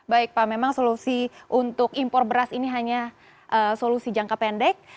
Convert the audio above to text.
baik pak memang solusi untuk impor beras ini hanya solusi jangka pendek